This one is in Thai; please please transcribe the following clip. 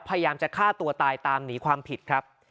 พยายามจะฆ่าตัวตายตามหนีความผิดครับ